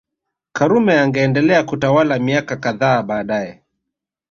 Karume angeendelea kutawala miaka kadhaa baadae